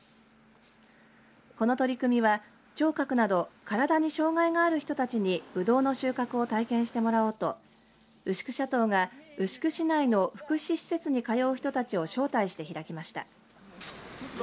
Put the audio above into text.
この取り組みは聴覚など体に障害がある人たちにぶどうの収穫を体験してもらおうと牛久シャトーが牛久市内の福祉施設に通う人たちを招待して開きました。